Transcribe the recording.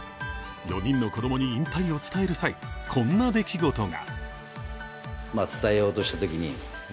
４人の子供に引退を伝える際こんな出来事が。